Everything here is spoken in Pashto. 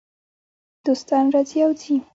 دوستان راځي او ځي .